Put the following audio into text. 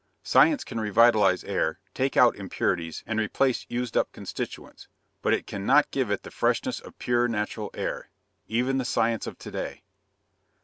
Science can revitalize air, take out impurities and replace used up constituents, but if cannot give it the freshness of pure natural air. Even the science of to day.